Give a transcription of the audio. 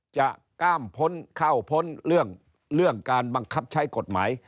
กล้ามพ้นเข้าพ้นเรื่องการบังคับใช้กฎหมาย